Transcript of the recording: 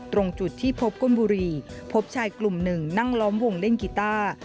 ตรงจุดที่พบก้มบุรีพบชายกลุ่ม๑นั่งร้อมวงเล่นกีตาร์